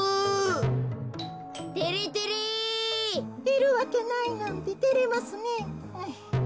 いるわけないなんててれますねえ。